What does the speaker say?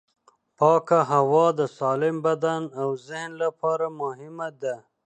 پاکه هوا د سالم بدن او ذهن لپاره مهمه ده.